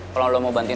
kalau lo mau ngurusin